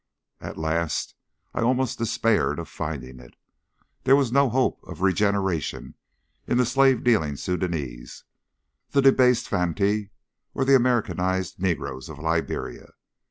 At last I almost despaired of finding it. There was no hope of regeneration in the slave dealing Soudanese, the debased Fantee, or the Americanised negroes of Liberia.